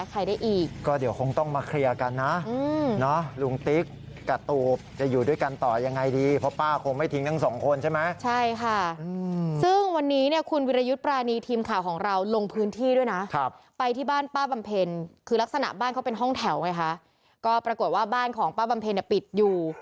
พระยุทธ์ประณีทีมข่าวของเราลงพื้นที่ด้วยนะครับไปที่บ้านป้าบัมเพลงคือลักษณะบ้านเขาเป็นห้องแถวไงคะก็ปรากฏว่าบ้านของป้าบัมเพลงน่ะปิดอยู่